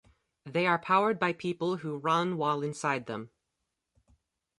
They are powered by people who run while inside them.